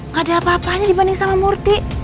gak ada apa apanya dibanding sama murti